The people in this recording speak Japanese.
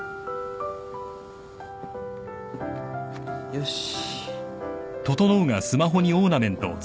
よし。